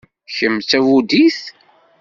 Kemm d tabudit?